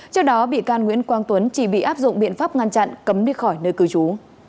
trước đó bị can nguyễn quang tuấn chỉ bị áp dụng biện pháp ngăn chặn cấm đi khỏi nơi cư trú